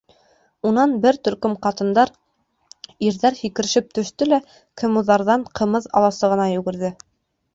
Унан бер төркөм ҡатындар, ирҙәр һикерешеп төштө лә кемуҙарҙан ҡымыҙ аласығына йүгерҙе.